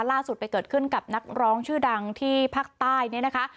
ล่าสุดไปเกิดขึ้นกับนักร้องชื่อดังที่ภาคใต้เนี่ยนะคะ